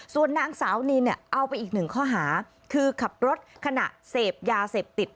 ส่วนนางสาวนินเนี่ยเอาไปอีกหนึ่งข้อหาคือขับรถขณะเสพยาเสพติด